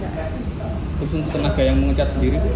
terus untuk tenaga yang mengecat sendiri bu